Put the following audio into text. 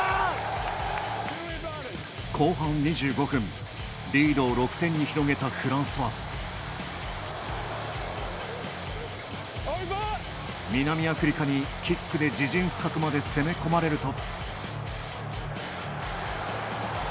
後半２５分、リードを６点に広げたフランスは南アフリカにキックで自陣深くまで攻め込まれると。